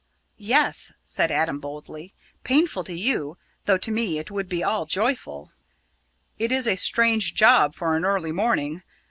"Yes," said Adam boldly. "Painful to you, though to me it would be all joyful." "It is a strange job for an early morning!